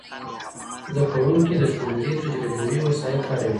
زدهکوونکي د ښوونځي تجربوي وسایل کاروي.